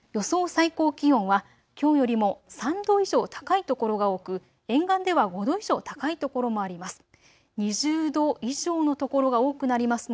最高気温はきょうよりも３度以上高い所が多く沿岸では５度以上高い所もあります。